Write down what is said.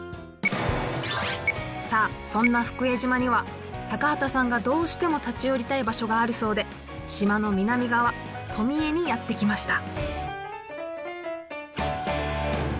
さあそんな福江島には高畑さんがどうしても立ち寄りたい場所があるそうで島の南側富江にやって来ました！